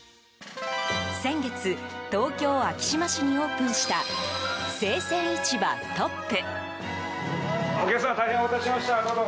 先月、東京・昭島市にオープンした生鮮市場ＴＯＰ！